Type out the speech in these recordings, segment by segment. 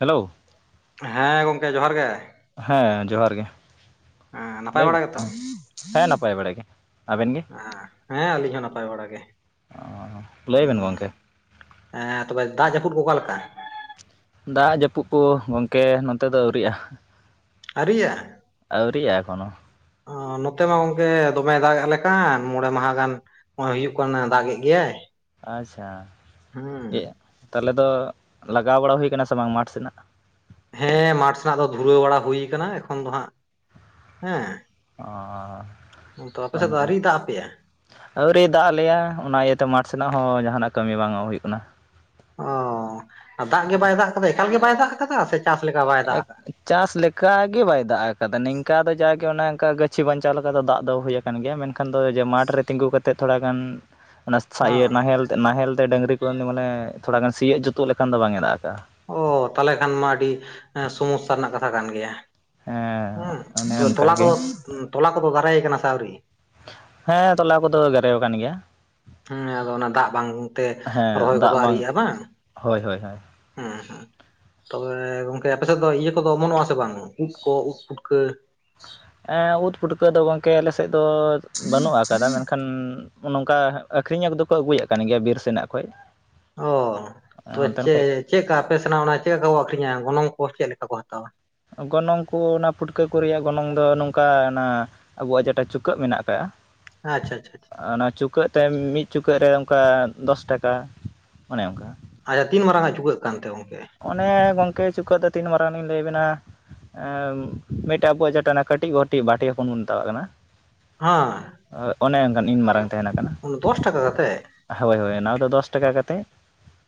Hello ᱦᱮᱸ ᱜᱚᱢᱠᱮ ᱡᱚᱦᱟᱨ ᱜᱮ ᱦᱮᱸ ᱡᱚᱦᱟᱨ ᱜᱮ ᱦᱮᱸ ᱱᱟᱯᱟᱭ ᱞᱟᱹᱭ ᱵᱮᱱ ᱵᱟᱲᱟ ᱜᱮᱛᱚ ᱦᱮᱸ ᱱᱟᱯᱟᱭ ᱵᱟᱲᱟ ᱜᱮ ᱟᱵᱮᱱ ᱜᱮ ᱦᱮᱸ ᱦᱮᱸ ᱟᱹᱞᱤᱧ ᱦᱚᱸ ᱱᱟᱯᱟᱭ ᱵᱟᱲᱟ ᱜᱮ ᱚᱼᱼ ᱞᱟᱹᱭ ᱵᱮᱱ ᱜᱚᱝᱠᱮ ᱦᱮᱸ ᱛᱚᱵᱮ ᱫᱟᱜ ᱡᱟᱹᱯᱩᱫ ᱠᱚ ᱚᱠᱟ ᱞᱮᱠᱟ ᱫᱟᱜ ᱡᱟᱹᱯᱩᱫ ᱠᱚ ᱜᱚᱝᱠᱮ ᱱᱚᱛᱮ ᱫᱚ ᱟᱹᱣᱨᱤᱜᱼᱟ ᱟᱣᱹᱨᱤᱜᱼᱟ ᱟᱹᱣᱨᱤᱜᱼᱟ ᱮᱠᱷᱚᱱ ᱦᱚᱸ ᱚᱸᱻ ᱱᱚᱛᱮ ᱢᱟ ᱜᱚᱝᱠᱮ ᱫᱚᱢᱮ ᱫᱟᱜ ᱟᱞᱮᱠᱟᱱ ᱢᱚᱬᱮ ᱢᱟᱦᱟ ᱜᱟᱱ ᱱᱚᱜᱼᱚᱭ ᱦᱩᱭᱩᱜ ᱠᱟᱱᱟ ᱫᱟᱜ ᱮᱫ ᱜᱮᱭᱟᱭ ᱟᱪᱪᱷᱟ ᱦᱩᱸ [unintelligible] ᱛᱟᱦᱚᱞᱮ ᱫᱚ ᱞᱟᱜᱟᱣ ᱵᱟᱲᱟ ᱦᱩᱭ ᱟᱠᱟᱱᱟ ᱥᱮ ᱵᱟᱝ ᱢᱟᱴᱷ ᱥᱮᱱᱟᱜ ᱦᱮᱸ ᱢᱟᱴᱷ ᱥᱮᱱᱟᱜ ᱫᱚ ᱫᱷᱩᱨᱟᱹᱣ ᱵᱟᱲᱟ ᱦᱩᱭ ᱟᱠᱟᱱᱟ ᱮᱠᱷᱚᱱ ᱫᱚ ᱦᱟᱜ ᱦᱮᱸ ᱛᱚ [unintelligible] ᱟᱯᱮ ᱥᱮᱫ ᱫᱚ ᱢᱟᱱᱮ ᱟᱹᱣᱨᱤ ᱫᱟᱜ ᱟᱯᱮᱭᱟ? ᱟᱹᱣᱨᱤᱭ ᱫᱟᱜ ᱟᱞᱮᱭᱟ ᱚᱱᱟ ᱤᱭᱟᱹᱛᱮ ᱢᱟᱴᱷ ᱥᱮᱱᱟᱜ ᱦᱚᱸ ᱡᱟᱦᱟᱱᱟᱜ ᱠᱟᱹᱢᱤ ᱵᱟᱝ ᱦᱩᱭᱩᱜ ᱠᱟᱱᱟ ᱚᱻ ᱫᱟᱜ ᱜᱮ ᱵᱟᱭ ᱫᱟᱜ ᱟᱠᱟᱫᱟ ᱮᱠᱟᱞ ᱜᱮ ᱵᱟᱭ ᱫᱟᱜ ᱟᱠᱟᱫᱟ ᱥᱮ ᱪᱟᱥ ᱞᱮᱠᱟ ᱵᱟᱭ ᱫᱟᱜ ᱟᱠᱟᱫᱟ ᱪᱟᱥ ᱞᱮᱠᱟ ᱜᱮ ᱵᱟᱭ ᱫᱟᱜ ᱟᱠᱟᱫᱟ ᱱᱤᱝᱠᱟ ᱫᱚ ᱡᱟᱜᱮ ᱚᱱᱠᱟ ᱜᱟᱹᱪᱷᱤ ᱵᱟᱧᱪᱟᱣ ᱞᱮᱠᱟ ᱫᱚ ᱫᱟᱜ ᱫᱚ ᱦᱩᱭ ᱟᱼᱼ ᱠᱟᱱ ᱜᱮᱭᱟ ᱢᱮᱱᱠᱷᱟᱱ ᱫᱚ ᱡᱮ ᱢᱟᱴᱷ ᱨᱮ ᱛᱤᱸᱜᱩ ᱠᱟᱛᱮ ᱛᱷᱚᱲᱟ ᱜᱟᱱ ᱤᱭᱟᱹ ᱦᱚᱸ ᱱᱟᱦᱮᱞ ᱱᱟᱦᱮᱞ ᱛᱮ ᱰᱟᱹᱝᱨᱤ ᱠᱚ ᱩᱱᱤ ᱢᱟᱱᱮ ᱛᱷᱚᱲᱟ ᱜᱟᱱ ᱥᱤᱭᱩᱜ ᱡᱩᱛᱩᱜ ᱞᱮᱠᱷᱟᱱ ᱫᱚ ᱵᱟᱝ ᱮ ᱫᱟᱜ ᱟᱠᱟᱜᱼᱟ ᱚᱻ ᱛᱟᱦᱚᱞᱮ ᱠᱷᱟᱱ ᱢᱟ ᱟᱹᱰᱤ ᱥᱚᱢᱚᱥᱥᱟ ᱨᱮᱱᱟᱜ ᱠᱟᱛᱷᱟ ᱠᱟᱱ ᱜᱮᱭᱟ ᱦᱮᱸ ᱚᱱᱮ ᱛᱚᱵᱮ ᱚᱱᱠᱟ ᱛᱚᱞᱟ ᱜᱮ ᱫᱚ ᱛᱚᱞᱟ ᱠᱚᱫᱚ ᱫᱟᱨᱮ ᱟᱠᱟᱱᱟ ᱥᱮ ᱟᱹᱣᱨᱤ ᱦᱮᱸ ᱛᱚᱞᱟ ᱠᱚᱫᱚ ᱫᱟᱨᱮ ᱟᱠᱟᱱ ᱜᱮᱭᱟ ᱦᱮᱸ ᱟᱫᱚ ᱚᱱᱟ ᱫᱟᱜ ᱵᱟᱝ ᱛᱮ ᱨᱚᱦᱚᱭ ᱦᱮᱸ ᱫᱟᱜ ᱠᱚᱫᱚ ᱟᱹᱣᱨᱤᱭᱟᱜᱼᱟ ᱵᱟᱝ ᱦᱳᱭ ᱦᱳᱭ ᱦᱳᱭ ᱦᱮᱸ ᱦᱮᱸ ᱛᱚᱵᱮ ᱜᱚᱝᱠᱮ ᱟᱯᱮ ᱥᱮᱫ ᱫᱚ ᱤᱭᱟᱹ ᱠᱚᱫᱚ ᱚᱢᱚᱱᱚᱜ ᱟᱥᱮ ᱵᱟᱝ ᱩᱫ ᱠᱚ ᱩᱫ ᱯᱩᱴᱠᱟᱹ ᱮᱸᱻ ᱩᱫ ᱯᱩᱴᱠᱟᱹ ᱫᱚ ᱜᱚᱢᱠᱮ ᱟᱞᱮ ᱥᱮᱫ ᱫᱚ ᱵᱟᱹᱱᱩᱜ ᱟᱠᱟᱫᱟ ᱢᱮᱱᱠᱷᱟᱱ ᱱᱚᱝᱠᱟ ᱟᱹᱠᱷᱨᱤᱧᱚᱜ ᱫᱚᱠᱚ ᱟᱹᱜᱩᱭᱮᱫ ᱠᱟᱱ ᱜᱮᱭᱟ ᱵᱤᱨ ᱥᱮᱱᱟᱜ ᱠᱷᱚᱱ ᱚᱻ ᱛᱚ ᱪᱮᱫ ᱪᱮᱫ ᱞᱮᱠᱟ ᱟᱯᱮ ᱥᱮᱱᱟᱜ ᱚᱱᱟ ᱪᱮᱫ ᱞᱮᱠᱟ ᱠᱚ ᱟᱹᱠᱷᱨᱤᱧᱟ ᱜᱚᱱᱚᱝ ᱠᱚ ᱪᱮᱫ ᱞᱮᱠᱟ ᱠᱚ ᱦᱟᱛᱟᱣᱟ ᱜᱚᱱᱚᱝ ᱠᱚ ᱚᱱᱟ ᱯᱷᱩᱴᱠᱟᱹ ᱠᱚ ᱨᱮᱭᱟᱜ ᱜᱚᱱᱚᱝ ᱫᱚ ᱱᱚᱝᱠᱟᱱᱟ ᱟᱵᱚᱣᱟᱜ ᱡᱮᱴᱟ ᱪᱩᱠᱟᱹᱜ ᱢᱮᱱᱟᱜ ᱟᱠᱟᱫᱟ ᱟᱪᱪᱷᱟ ᱟᱪᱪᱷᱟ ᱚᱱᱟ ᱪᱩᱠᱼᱼ ᱪᱩᱠᱟᱹᱜ ᱛᱮ ᱢᱤᱫ ᱪᱩᱠᱟᱹᱜ ᱨᱮ ᱚᱱᱠᱟ ᱫᱚᱥ ᱴᱟᱠᱟ ᱚᱱᱮ ᱚᱱᱠᱟ ᱟᱪᱪᱷᱟ ᱛᱤᱱ ᱢᱟᱨᱟᱝ ᱟᱜ ᱪᱩᱠᱟᱹᱜ ᱠᱟᱱᱛᱮ ᱜᱚᱝᱠᱮ ᱚᱱᱮ ᱜᱚᱝᱠᱮ ᱪᱩᱠᱟᱹᱜ ᱫᱚ ᱛᱤᱱ ᱢᱟᱨᱟᱝ ᱞᱤᱧ ᱞᱟᱹᱭ ᱟᱵᱮᱱᱟ ᱢᱤᱫᱴᱮᱡ ᱟᱵᱚᱣᱟᱜ ᱡᱮᱴᱟ ᱠᱟᱹᱴᱤᱡ [unintelligible] ᱵᱟᱹᱴᱤ [unintelligible] ᱵᱚᱱ ᱢᱮᱛᱟᱣᱟᱜ ᱠᱟᱱᱟ ᱦᱮᱸ ᱦᱳᱭ ᱚᱱᱮ ᱚᱱᱠᱟᱱ ᱤᱱ ᱢᱟᱨᱟᱝ ᱛᱟᱦᱮᱱ ᱠᱟᱱᱟ ᱚᱱᱟ ᱫᱚᱥ ᱴᱟᱠᱟ ᱠᱟᱛᱮ ᱦᱳᱭ ᱦᱳᱭ ᱚᱱᱟ ᱫᱚ ᱫᱚᱥ ᱴᱟᱠᱟ ᱠᱟᱛᱮᱫ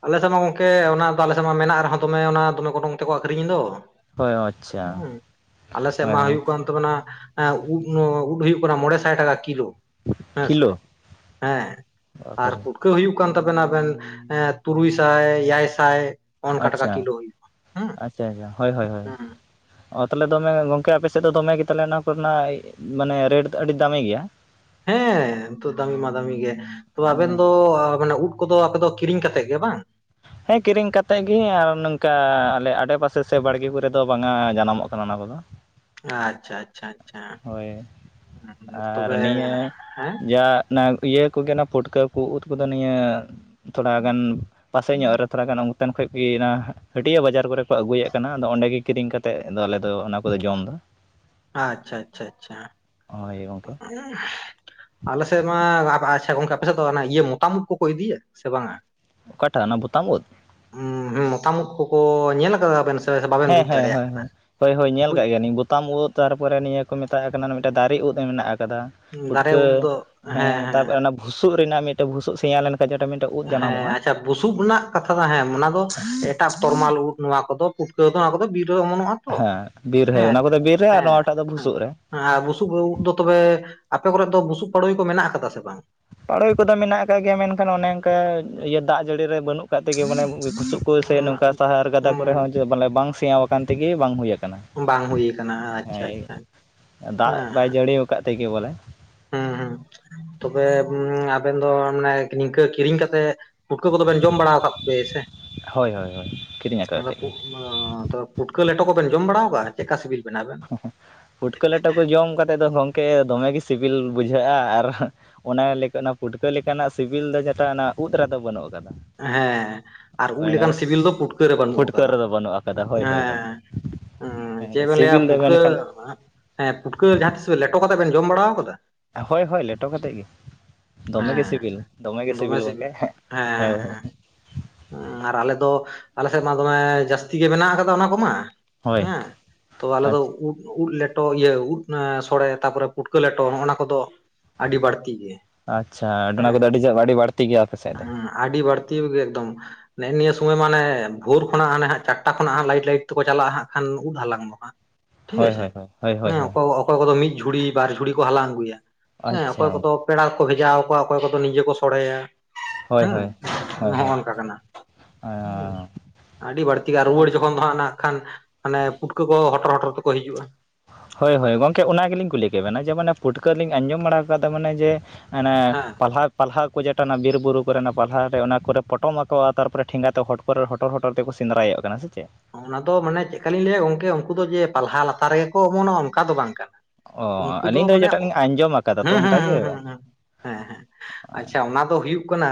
ᱟᱞᱮ ᱥᱮᱫ ᱢᱟ ᱜᱚᱝᱠᱮ ᱚᱱᱟ ᱟᱞᱮ ᱥᱮᱫ ᱢᱟ ᱢᱮᱱᱟᱜ ᱨᱮᱦᱚᱸ ᱫᱚᱢᱮ ᱚᱱᱟ ᱫᱚᱢᱮ ᱜᱚᱱᱚᱝ ᱛᱮ ᱠᱚ ᱟᱹᱠᱷᱨᱤᱧᱮᱫ ᱫᱚ ᱦᱳᱭ ᱟᱪᱪᱷᱟ ᱦᱩᱸ ᱟᱞᱮ ᱥᱮᱫ ᱦᱳᱭ ᱢᱟ ᱦᱳᱭ ᱦᱩᱭᱩᱜ ᱠᱟᱱ [unintelligible] ᱩᱫ ᱩᱫ ᱦᱩᱭᱩᱜ ᱠᱟᱱᱟ ᱢᱚᱬᱮ ᱥᱟᱭ ᱴᱟᱠᱟ ᱠᱤᱞᱳ ᱦᱮᱸ ᱥᱮ ᱠᱤᱞᱳ ᱦᱮᱸ ᱟᱨ ᱵᱟᱯᱨᱮ ᱯᱩᱴᱼᱼ ᱯᱩᱴᱠᱟᱹ ᱦᱩᱭᱩᱜ ᱠᱟᱱ ᱛᱟᱵᱮᱱᱟ ᱟᱵᱮᱱ ᱮ ᱛᱩᱨᱩᱭ ᱥᱟᱭ ᱮᱭᱟᱭ ᱥᱟᱭ ᱚᱱᱠᱟ ᱴᱟᱠᱟ ᱟᱪᱪᱷᱟ ᱠᱤᱞᱳ ᱦᱩᱭᱩᱜᱼᱟ ᱦᱮᱸ ᱟᱪᱪᱷᱟ ᱟᱪᱪᱷᱟ ᱦᱳᱭ ᱦᱳᱭ ᱦᱳᱭ ᱦᱮᱸ ᱚ ᱛᱟᱦᱚᱞᱮ ᱫᱚᱢᱮ ᱜᱚᱝᱠᱮ ᱟᱯᱮ ᱥᱮᱫ ᱫᱚ ᱫᱚᱢᱮ ᱜᱮ ᱛᱟᱦᱚᱞᱮ ᱚᱱᱟ ᱠᱚᱨᱮᱱᱟᱜ ᱢᱟᱱᱮ ᱨᱮᱴ ᱟᱹᱰᱤ ᱫᱟᱹᱢᱤ ᱜᱮᱭᱟ ᱦᱮᱸ ᱛᱚ ᱫᱟᱹᱢᱤ ᱢᱟ ᱫᱟᱹᱢᱤ ᱜᱮ ᱛᱚ ᱟᱵᱮᱱ ᱫᱚ ᱟᱹᱵᱤᱱᱟᱜ ᱩᱫ ᱠᱚᱫᱚ ᱟᱯᱮ ᱫᱚ ᱠᱤᱨᱤᱧ ᱠᱟᱛᱮᱜ ᱜᱮ ᱵᱟᱝ ᱦᱮᱸ ᱠᱤᱨᱤᱧ ᱠᱟᱛᱮᱫ ᱜᱮ ᱟᱨ ᱱᱚᱝᱠᱟ ᱟᱞᱮ ᱟᱲᱮᱯᱟᱥᱮ ᱥᱮ ᱵᱟᱲᱜᱮ ᱠᱚᱨᱮ ᱫᱚ ᱵᱟᱝᱟ ᱡᱟᱱᱟᱢᱚᱜ ᱠᱟᱱᱟ ᱚᱱᱟ ᱠᱚᱫᱚ ᱟᱪᱷᱟ ᱟᱪᱪᱷᱟ ᱟᱪᱪᱷᱟ ᱦᱳᱭ ᱟᱨ ᱛᱚᱵᱮ ᱱᱤᱭᱟᱹ ᱦᱮᱸ ᱡᱟ ᱚᱱᱟ ᱤᱭᱟᱹ ᱠᱚᱜᱮ ᱚᱱᱟ ᱯᱷᱩᱴᱠᱟᱹ ᱠᱚ ᱩᱫ ᱠᱚᱫᱚ ᱱᱤᱭᱟᱹ ᱛᱷᱚᱲᱟ ᱜᱟᱱ, ᱯᱟᱥᱮ ᱧᱚᱜ ᱨᱮ ᱛᱷᱚᱲᱟ ᱜᱟᱱ, ᱦᱟᱱ ᱛᱮᱱ ᱠᱷᱚᱡᱽ ᱯᱮ ᱤᱭᱟᱹᱱᱟ ᱦᱟᱹᱴᱤᱭᱟᱹ ᱵᱟᱡᱟᱨ ᱠᱚᱨᱮ ᱠᱚ ᱟᱹᱜᱩᱭᱮᱫ ᱛᱟᱦᱮᱱᱟ ᱟᱫᱚ ᱚᱸᱰᱮ ᱜᱮ ᱠᱤᱨᱤᱧ ᱠᱟᱛᱮᱫ ᱟᱞᱮᱫᱚ ᱚᱱᱟ ᱠᱚᱫᱚ ᱡᱚᱢᱫᱟ ᱾ ᱟᱪᱪᱷᱟ, ᱪᱪᱷᱟ, ᱪᱪᱷᱟ, ᱦᱳᱭ ᱜᱚᱝᱠᱮ ᱾ [unintelligible] ᱟᱞᱮ ᱥᱮᱫ ᱢᱟ ᱟᱪᱪᱷᱟ ᱜᱚᱝᱠᱮ ᱟᱯᱮᱥᱮᱫ ᱫᱚ ᱤᱭᱟᱹ ᱢᱚᱛᱟᱢ ᱳᱫ ᱠᱚᱠᱚ ᱤᱫᱤᱭᱟ ᱥᱮ ᱵᱟᱝᱟ? ᱚᱠᱟᱴᱟᱜ ᱚᱱᱟ ᱵᱚᱛᱟᱢ ᱳᱫ? ᱢᱚᱛᱟᱢ ᱳᱫ ᱠᱚᱠᱚ ᱧᱮᱞ ᱠᱟᱫᱟᱵᱮᱱ ᱥᱮ ᱵᱟᱵᱮᱱ ᱦᱮᱸ ᱵᱩᱡᱽ ᱦᱮᱸ ᱫᱟᱲᱮᱭᱟᱜ ᱦᱮᱸ ᱦᱮᱸ ᱦᱳᱭ ᱦᱳᱭ ᱠᱟᱱᱟ ᱧᱮᱞ ᱵᱩᱡᱽ ᱠᱟᱜ ᱜᱮᱭᱟᱧᱤᱧ ᱵᱚᱛᱟᱢ ᱳᱫ ᱾ ᱛᱟᱨ ᱯᱚᱨᱮ ᱱᱤᱭᱟᱹ ᱠᱚ ᱢᱮᱛᱟᱜ ᱠᱟᱱᱟ ᱢᱤᱫᱴᱮᱱ ᱫᱟᱨᱮ ᱳᱫ ᱢᱮᱱᱟᱜ ᱟᱠᱟᱫᱟ ᱾ ᱫᱟᱨᱮ ᱯᱩᱴᱠᱟᱹ ᱩᱫ ᱫᱚ ᱦᱮᱸ ᱛᱟᱯᱚᱨᱮ ᱚᱱᱟ ᱵᱷᱩᱥᱩᱜ ᱨᱮᱱᱟᱜ ᱢᱤᱫᱴᱮᱱ ᱵᱷᱩᱥᱩᱜ ᱥᱮᱭᱟ ᱞᱮᱱᱠᱷᱟᱱ ᱡᱟᱦᱟᱴᱟᱜ ᱢᱤᱫ ᱴᱮᱱ ᱦᱮᱸ ᱟᱪᱪᱷᱟ ᱾ ᱵᱩᱥᱩᱵ ᱨᱮᱱᱟᱜ ᱠᱟᱛᱷᱟ ᱫᱚ ᱦᱮᱸ ᱚᱱᱟ ᱫᱚ ᱮᱴᱟᱜ ᱛᱚᱨᱢᱟᱞ ᱳᱫ ᱱᱚᱣᱟ ᱠᱚ ᱫᱚ ᱯᱩᱴᱠᱟᱹᱣ ᱫᱚ ᱱᱚᱣᱟ ᱠᱚ ᱫᱚ ᱵᱤᱨ ᱨᱮ ᱚᱢᱚᱱᱚᱜᱼᱟ ᱾ ᱦᱮᱸ ᱵᱤᱨ ᱨᱮ ᱚᱱᱟ ᱠᱚ ᱫᱚ ᱵᱤᱨ ᱨᱮ ᱟᱨ ᱱᱚᱣᱟᱴᱟᱜ ᱫᱚ ᱵᱷᱩᱥᱩᱜ ᱨᱮ ᱮᱸ ᱟᱨ ᱵᱩᱥᱩᱵ ᱳᱫ ᱫᱚ ᱛᱚᱵᱮ ᱟᱯᱮ ᱠᱚᱨᱮ ᱫᱚ ᱵᱩᱥᱩᱵ ᱯᱟᱹᱲᱳᱭ ᱠᱚ ᱢᱮᱱᱟᱜ ᱟᱠᱟᱫᱟ ᱥᱮ ᱵᱟᱝ? ᱯᱟᱲᱳᱭ ᱠᱚ ᱫᱚ ᱢᱮᱱᱟᱜ ᱟᱠᱟᱫ ᱜᱮᱭᱟ ᱢᱮᱱᱠᱷᱟᱱ ᱚᱱᱮ ᱚᱱᱠᱟ ᱤᱭᱟᱹ ᱫᱟᱜ ᱡᱟᱹᱲᱤ ᱨᱮ ᱵᱟᱹᱱᱩᱜ ᱼᱼ [unintelligible] ᱛᱮᱜᱮ ᱢᱟᱱᱮ ᱵᱩᱥᱩᱵ ᱠᱚ ᱥᱮ ᱱᱚᱝᱠᱟ ᱥᱟᱦᱟᱨ ᱜᱟᱫᱟ ᱠᱚᱨᱮ ᱦᱚᱸ ᱢᱟᱱᱮ ᱵᱟᱝ ᱥᱮᱭᱟ ᱟᱠᱟᱱ ᱛᱮ ᱜᱮ ᱵᱟᱝ ᱦᱩᱭ ᱟᱠᱟᱱᱟ ᱦᱩᱸ ᱵᱟᱝ ᱦᱩᱭ ᱠᱟᱱᱟ ᱾ ᱟᱪᱪᱷᱟ ᱟᱪᱪᱷᱟ ᱦᱮᱸ ᱫᱟᱜ ᱵᱟᱭ ᱡᱟᱹᱲᱤ ᱟᱠᱟᱫ ᱛᱮ ᱜᱮ ᱵᱚᱞᱮ ᱦᱩᱸ ᱦᱮᱸ ᱛᱚᱵᱮ ᱟᱵᱮᱱ ᱫᱚ ᱢᱟᱱᱮ ᱱᱤᱝᱠᱟᱹ ᱠᱤᱨᱤᱧ ᱠᱟᱛᱮᱜ ᱯᱩᱴᱠᱟᱹ ᱠᱚᱫᱚ ᱵᱮᱮᱱ ᱡᱚᱢ ᱵᱟᱲᱟᱣ ᱠᱟᱜ ᱠᱚᱜᱮᱭᱟ ᱥᱮ? ᱦᱳᱭ ᱦᱳᱭ ᱦᱳᱭ ᱠᱤᱨᱤᱧ ᱟᱠᱟᱫ ᱚᱸ ᱛᱮᱜᱮ ᱛᱚᱵᱮ ᱯᱩᱴᱠᱟᱹ ᱞᱮᱴᱚ ᱠᱚ ᱛᱚᱵᱮᱢ ᱡᱚᱢ ᱵᱟᱲᱟ ᱟᱠᱟᱟᱜᱼᱟ? ᱪᱮᱫᱼᱠᱟ ᱥᱵᱤᱞ ᱵᱮᱱᱟ ᱟᱵᱮᱱ? ᱯᱷᱩᱴᱠᱟᱹ ᱞᱮᱴᱚ ᱠᱚ ᱡᱚᱢ ᱠᱟᱛᱮᱫ ᱫᱚ ᱜᱚᱢᱠᱮ ᱫᱚᱢᱮᱜ ᱜᱮ ᱥᱤᱵᱤᱞ ᱵᱩᱡᱷᱟᱹᱜᱼᱟ ᱟᱨ ᱚᱱᱟ ᱞᱮᱠᱟ ᱚᱱᱟ ᱯᱩᱴᱠᱟᱹ ᱞᱮᱠᱟᱱᱟᱜ ᱥᱤᱵᱤᱞ ᱫᱚ ᱡᱮᱴᱟ ᱚᱱᱟ ᱳᱫ ᱨᱮ ᱫᱚ ᱵᱟᱹᱱᱩᱜ ᱟᱠᱟᱫᱟ ᱦᱮᱸ ᱟᱨ ᱾ ᱩᱫ ᱞᱮᱠᱟᱱ ᱥᱤᱵᱤᱞ ᱫᱚ ᱯᱩᱴᱠᱟᱹ ᱨᱮ [unintelligible] ᱵᱟᱹᱱᱩᱜ ᱯᱷᱩᱴᱠᱟᱹ ᱟᱠᱟᱫᱟ ᱨᱮᱫᱚ ᱵᱟᱹᱱᱩᱜ ᱟᱠᱟᱫᱟ ᱦᱳᱭ ᱦᱳᱭ ᱦᱮᱸ ᱜᱚᱝᱠᱮ ᱾ ᱦᱮᱸ ᱪᱮᱫ [inaudible] ᱵᱮᱱ ᱞᱟᱹᱭᱟ ᱯᱩᱴᱠᱟᱹ ᱢᱮᱱᱠᱷᱟᱱ ᱦᱮᱸ ᱯᱩᱴᱠᱟᱹ ᱡᱟᱦᱟᱸ ᱛᱤᱥ ᱞᱮᱴᱚ ᱠᱟᱛᱮ ᱵᱮᱱ ᱡᱚᱢ ᱵᱟᱲᱟᱣ ᱠᱟᱫᱟ ᱾ ᱦᱳᱭ ᱦᱳᱭ ᱞᱮᱴᱚ ᱠᱟᱛᱮᱫ ᱜᱮ ᱫᱚᱢᱮ ᱜᱮ ᱦᱮᱸ ᱥᱤᱵᱤᱞ ᱫᱚᱢᱮ ᱜᱮ ᱥᱤᱵᱤᱞ ᱜᱚᱢᱠᱮ ᱦᱮᱸ ᱾ ᱦᱮᱸ ᱟᱨ ᱟᱞᱮ ᱫᱚ ᱟᱞᱮ ᱥᱮᱫ ᱢᱟ ᱫᱚᱢᱮ ᱡᱟᱹᱥᱛᱤ ᱜᱮ ᱢᱮᱱᱟᱜ ᱠᱟᱫᱟ ᱚᱱᱟ ᱠᱚᱢᱟ ᱦᱳᱭ ᱦᱮᱸ ᱛᱚ ᱟᱞᱮ ᱫᱚ ᱳᱫ ᱳᱫ ᱞᱮᱴᱚ ᱤᱭᱟᱹ ᱳᱫ ᱥᱲᱮ ᱛᱟᱨᱯᱚᱨᱮ ᱯᱩᱴᱠᱟᱹ ᱞᱮᱴᱚ ᱱᱚᱜᱼᱚ ᱱᱚᱣᱟ ᱠᱚ ᱫᱚ ᱟᱹᱰᱤ ᱵᱟᱹᱲᱛᱤ ᱜᱮ ᱾ ᱟᱪᱪᱷᱟ ᱚᱱᱟ ᱠᱚ ᱫᱚ ᱟᱹᱰᱤ ᱟᱹᱰᱤ ᱵᱟᱹᱲᱛᱤ ᱜᱮᱭᱟ ᱟᱯᱮ ᱥᱮᱫ ᱫᱚ? ᱟᱹᱰᱤᱰᱤ ᱵᱟᱹᱲᱛᱤ ᱜᱮ ᱮᱠᱫᱚᱢ ᱾ ᱱᱮᱜᱮ ᱱᱤᱭᱟᱹ ᱥᱚᱢᱳᱭ ᱢᱟᱱᱮ ᱵᱷᱳᱨ ᱠᱷᱚᱱᱟᱜ ᱦᱟᱸᱜ ᱪᱟᱴᱴᱟ ᱠᱷᱚᱱᱟᱜ ᱦᱟᱸ ᱞᱟᱭᱤᱴ ᱞᱟᱭᱴᱤ ᱛᱮᱠᱚ ᱪᱟᱞᱟᱜᱼᱟ ᱱᱟᱜ ᱠᱷᱟᱱ ᱳᱫ ᱦᱟᱞᱟᱝ ᱢᱟ ᱴᱷᱤᱠ ᱦᱳᱭ ᱟᱪᱪᱷᱮ ᱦᱳᱭ ᱦᱳᱭ ᱦᱳᱭ ᱦᱳᱭ ᱦᱮᱸ ᱦᱳᱭ ᱚᱠᱚ ᱚᱠᱚᱭ ᱠᱚ ᱫᱚ ᱢᱤᱫ ᱡᱷᱩᱲᱤ ᱵᱟᱨ ᱡᱷᱩᱲᱤ ᱠᱚ ᱦᱟᱞᱟᱝ ᱟᱹᱜᱩᱭᱟ ᱦᱮᱸ ᱟᱪᱪᱷᱟ ᱚᱠᱚᱭ ᱠᱚᱫᱚ ᱯᱮᱲᱟ ᱠᱚᱠᱚ ᱵᱷᱮᱡᱟ ᱟᱠᱚᱣᱟ ᱚᱠᱚᱭ ᱠᱚᱫᱚ ᱱᱤᱡᱮ ᱠᱚ ᱥᱚᱲᱮᱭᱟ ᱾ ᱦᱳᱭ ᱦᱳᱭ ᱾ ᱱᱚᱜᱼᱚᱭ ᱱᱚᱝᱠᱟ ᱠᱟᱱᱟ ᱦᱩᱸ ᱟᱹᱰᱤ ᱵᱟᱹᱲᱛᱤ ᱜᱮ ᱨᱩᱣᱟᱹᱲ ᱡᱚᱠᱷᱚᱱ ᱩᱱ ᱫᱚ ᱱᱟᱜ ᱠᱷᱟᱱ ᱢᱟᱱᱮ ᱯᱩᱴᱠᱟᱹ ᱠᱚᱦᱚᱸ ᱦᱚᱴᱚᱨ ᱦᱚᱴᱚᱨ ᱛᱮ ᱠᱚ ᱦᱤᱡᱩᱜᱼᱟ᱾ ᱦᱳᱭ ᱦᱳᱭ ᱜᱚᱢᱠᱮ ᱚᱱᱟ ᱜᱮᱞᱤᱧ ᱠᱩᱞᱤ ᱠᱮᱵᱮᱱᱟ ᱡᱮ ᱢᱟᱱᱮ ᱯᱩᱴᱠᱟᱹ ᱞᱤᱧ ᱟᱸᱡᱚᱢ ᱵᱟᱲᱟ ᱟᱠᱟᱫᱟ ᱢᱟᱱᱮ ᱡᱮ ᱢᱟᱱᱮ ᱦᱮᱸ ᱯᱟᱞᱦᱟ ᱯᱟᱞᱦᱟ ᱠᱚ ᱡᱟᱴᱮᱱᱟᱜ ᱚᱱᱟ ᱵᱤᱨ ᱵᱩᱨᱩ ᱠᱚᱨᱮ ᱱᱟᱜ ᱯᱟᱞᱦᱟ ᱨᱮ ᱚᱱᱟ ᱠᱚᱨᱮ ᱯᱚᱴᱚᱢ ᱟᱠᱚᱼᱟ ᱛᱟᱨᱯᱚᱨᱮ ᱴᱷᱮᱸᱜᱟ ᱛᱮ ᱦᱚᱲ ᱠᱚ ᱩᱯᱚᱨ ᱨᱮ ᱦᱚᱴᱚᱨ ᱦᱚᱴᱚᱨ ᱛᱮ ᱠᱚ ᱥᱮᱸᱫᱽᱟᱭᱮᱫ ᱠᱟᱱᱟ ᱥᱮ ᱪᱮ ᱾ ᱚᱱᱟ ᱫᱚ ᱢᱟᱱᱮ ᱪᱮᱫ ᱞᱮᱠᱟ ᱞᱤᱧ ᱞᱟᱹᱭᱟ ᱜᱚᱝᱠᱮ ᱩᱱᱠᱩ ᱫᱚ ᱡᱮ ᱯᱟᱞᱦᱟ ᱞᱟᱛᱟᱨ ᱨᱮᱜᱮ ᱠᱚ ᱚᱢᱚᱱᱚᱜᱼᱟ ᱚᱱᱠᱟ ᱫᱚ ᱵᱟᱝ ᱠᱟᱱᱟ ᱚ ᱾ ᱩᱱᱠᱩ ᱫᱚ ᱟᱹᱞᱤᱧ ᱢᱟᱱᱮ ᱡᱮᱴᱟ ᱞᱤᱧ ᱟᱸᱡᱚᱢ ᱟᱠᱟᱫᱟ ᱦᱮᱸ ᱛᱚ ᱦᱩᱸ ᱚᱱᱠᱟ ᱦᱸ ᱜᱮ ᱦᱸ ᱦᱸ ᱾ ᱦᱮᱸ ᱦᱮᱸ ᱟᱪᱪᱷᱟ ᱚᱱᱟ ᱫᱚ ᱦᱩᱭᱩᱜ ᱠᱟᱱᱟ